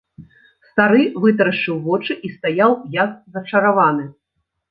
Стары вытарашчыў вочы і стаяў як зачараваны.